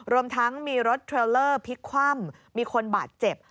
รวมทั้งมีรถเทรลเลอร์พลิกคว่ำมีคนบาดเจ็บ